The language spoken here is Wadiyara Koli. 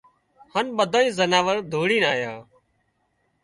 هانَ ٻڌانئي زناور ڌوڙينَ آيان